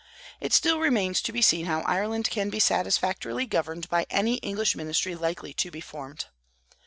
It still remains to be seen how Ireland can be satisfactorily governed by any English ministry likely to be formed.